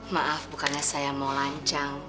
maaf bukannya saya mau lancang